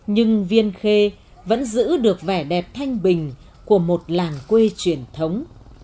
nhưng viên khê vẫn giữ được vẻ đẹp thanh bình của một làng quê truyền thống